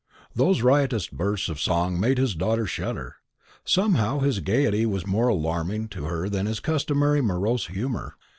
Those riotous bursts of song made his daughter shudder. Somehow, his gaiety was more alarming to her than his customary morose humour.